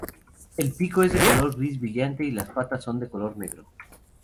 El pico es de color gris brillante y las patas son de color negro.